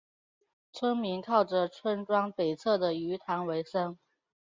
村民靠着村庄北侧的鱼塘维生。